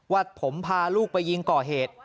ว่าผมพาลูกไปยิงก่อเหตุ